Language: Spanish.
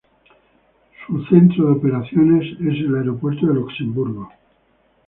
Su centro de operaciones es el Aeropuerto de Luxemburgo.